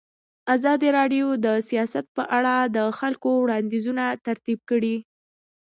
ازادي راډیو د سیاست په اړه د خلکو وړاندیزونه ترتیب کړي.